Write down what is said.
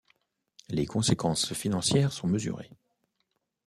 Les conséquences financières sont mesurées.